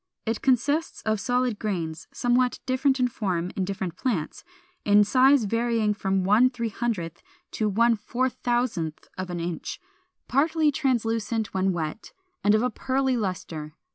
It consists of solid grains, somewhat different in form in different plants, in size varying from 1/300 to 1/4000 of an inch, partly translucent when wet, and of a pearly lustre.